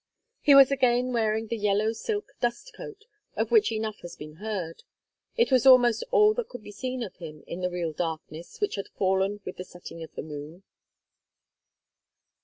He was again wearing the yellow silk dust coat of which enough has been heard; it was almost all that could be seen of him in the real darkness which had fallen with the setting of the moon.